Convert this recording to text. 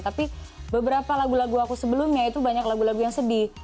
tapi beberapa lagu lagu aku sebelumnya itu banyak lagu lagu yang sedih